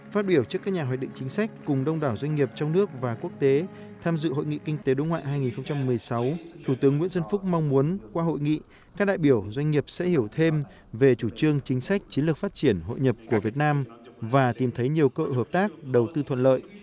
phát biểu trước các nhà hoạch định chính sách cùng đông đảo doanh nghiệp trong nước và quốc tế tham dự hội nghị kinh tế đối ngoại hai nghìn một mươi sáu thủ tướng nguyễn xuân phúc mong muốn qua hội nghị các đại biểu doanh nghiệp sẽ hiểu thêm về chủ trương chính sách chiến lược phát triển hội nhập của việt nam và tìm thấy nhiều cơ hội hợp tác đầu tư thuận lợi